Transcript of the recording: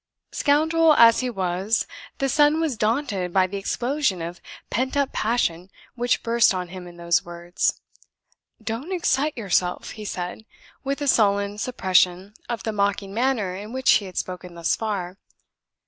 Scoundrel as he was, the son was daunted by the explosion of pent up passion which burst on him in those words. "Don't excite yourself," he said, with a sullen suppression of the mocking manner in which he had spoken thus far.